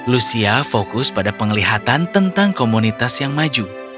lucia fokus pada penglihatan tentang komunitas yang maju